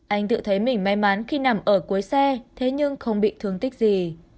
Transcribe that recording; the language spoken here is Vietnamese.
anh tự thấy mình may mắn khi nằm ở cuối xe thế nhưng không bị thương tích gì